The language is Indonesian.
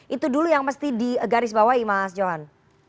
itu dulu yang mesti digarisbawahi mas johan